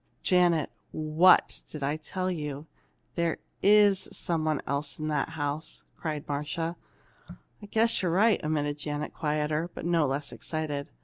"Janet, what did I tell you! There is some one else in that house!" cried Marcia. "I guess you're right!" admitted Janet, quieter, but no less excited.